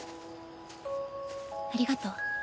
ありがとう。